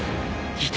いた！